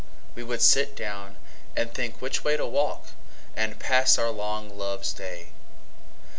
We would sit down, and think which wayTo walk, and pass our long Loves Day.